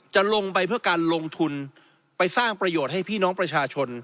จะลงไปเพื่อการลงทุนไปสร้างประโยชน์ให้พี่น้องประชาชน